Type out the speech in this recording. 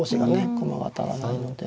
駒が足らないので。